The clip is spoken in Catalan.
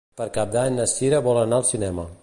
Per Cap d'Any na Sira vol anar al cinema.